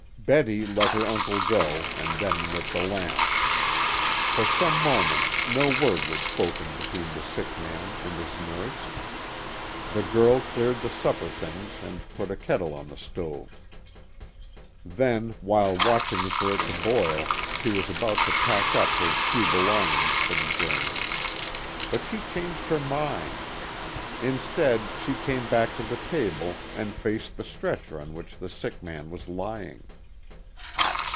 Betty let her uncle go and then lit the lamp. For some moments no word was spoken between the sick man and his nurse. The girl cleared the supper things and put a kettle on the stove. Then, while watching for it to boil, she was about to pack up her few belongings for the journey. But she changed her mind. Instead she came back to the table and faced the stretcher on which the sick man was lying.